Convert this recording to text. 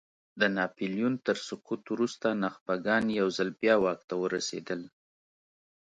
د ناپیلیون تر سقوط وروسته نخبګان یو ځل بیا واک ته ورسېدل.